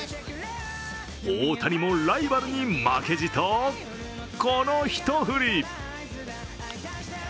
大谷もライバルに負けじとこの一振り。